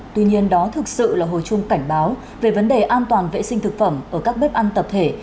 tuy nhiên đó thực sự là hồi chung cảnh báo về vấn đề an toàn vệ sinh thực phẩm ở các bếp ăn tập thể